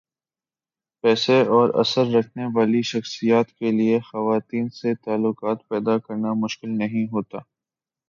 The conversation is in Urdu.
پیسے اور اثر رکھنے والی شخصیات کیلئے خواتین سے تعلقات پیدا کرنا مشکل نہیں ہوتا۔